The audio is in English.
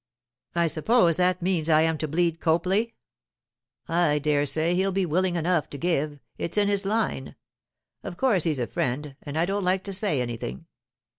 'I suppose that means I am to bleed Copley?' 'I dare say he'll be willing enough to give; it's in his line. Of course he's a friend, and I don't like to say anything.